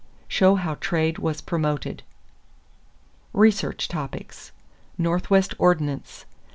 Show how trade was promoted. =Research Topics= =Northwest Ordinance.